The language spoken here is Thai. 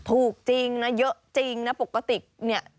ถูกจริงนะเยอะจริงนะปกติเนี่ย